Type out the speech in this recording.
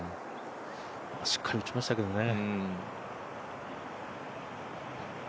しっかり打ちましたけどね。